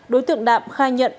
đối tượng đạm khai nhận